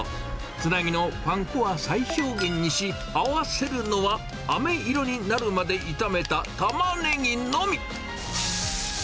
つなぎのパン粉は最小限にし、合わせるのは、あめ色になるまで炒めたタマネギのみ。